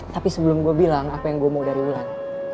tapi sebelum gue bilang apa yang gue mau dari bulan